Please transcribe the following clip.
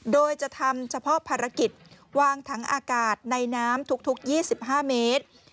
โดยจะทำเฉพาะภารกิจวางถังอากาศในน้ำทุก๒๕เมตร